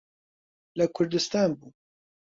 لە کوردستان بووم.